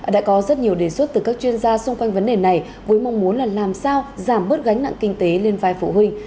đã có rất nhiều đề xuất từ các chuyên gia xung quanh vấn đề này với mong muốn là làm sao giảm bớt gánh nặng kinh tế lên vai phụ huynh